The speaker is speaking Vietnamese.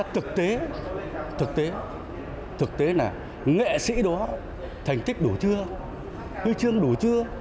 thực tế thực tế thực tế này nghệ sĩ đó thành tích đủ chưa hư chương đủ chưa